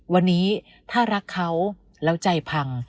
วันนี้ถ้ารักเขาแล้วใจพัง